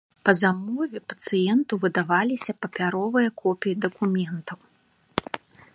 Па замове пацыенту выдаваліся папяровыя копіі дакументаў.